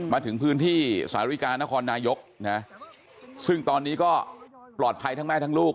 มาถึงพื้นที่สาริกานครนายกนะซึ่งตอนนี้ก็ปลอดภัยทั้งแม่ทั้งลูก